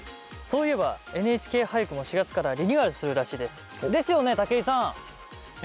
そういえば「ＮＨＫ俳句」も４月からリニューアルするらしいです。ですよね？